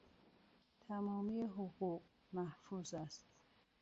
تمامی حقوق محفوظ است